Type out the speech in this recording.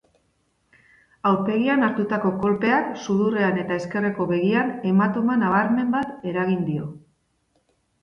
Aurpegian hartutako kolpeak, sudurrean eta ezkerreko begian hematoma nabarmen bat eragin dio.